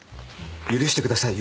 許してください。